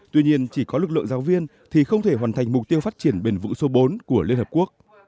tuy nhiên chỉ có lực lượng giáo viên thì không thể hoàn thành mục tiêu phát triển bền vững số bốn của liên hợp quốc